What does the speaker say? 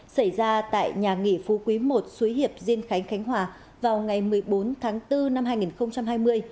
xảy ra tại nhà nghỉ phú quý i suối hiệp diên khánh khánh hòa vào ngày một mươi bốn tháng bốn năm hai nghìn hai mươi